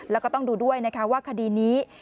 แล้วก็ต้องดูด้วยนะคะว่าคดีนี้